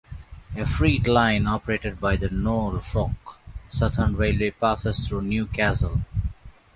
A freight line operated by the Norfolk Southern Railway passes through New Castle.